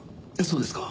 そうですか。